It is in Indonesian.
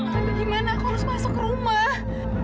tapi gimana aku harus masuk rumah